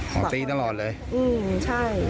เขาตีตลอดเลยอืมใช่